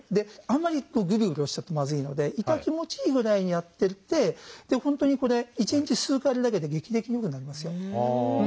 あんまりぐりぐり押しちゃうとまずいので痛気持ちいいぐらいにやってって本当にこれ一日数回やるだけで劇的に良くなりますよ。